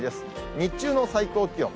日中の最高気温。